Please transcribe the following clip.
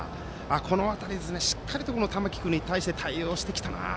この辺り、しっかりと玉木君に対して対応してきたなと。